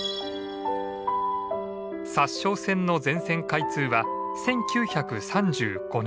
札沼線の全線開通は１９３５年。